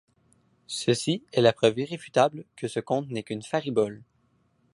Ceci est la preuve irréfutable que ce conte n'est qu'une faribole.